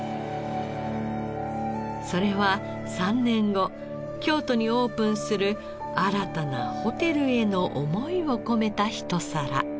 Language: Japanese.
それは３年後京都にオープンする新たなホテルへの思いを込めたひと皿。